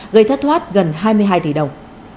gây thất thoát gần hai mươi hai tỷ đồng